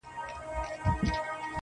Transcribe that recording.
په اول د پسرلي کي د خزان استازی راغی.!